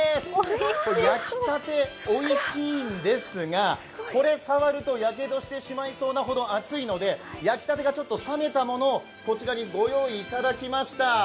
焼きたて、おいしいんですが、これ触るとやけどしてしまいそうなほど熱いので、焼きたてがちょっと冷めたものをこちらにご用意いただきました。